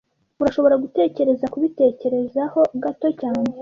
Urashobora gutekereza kubitekerezaho gato cyane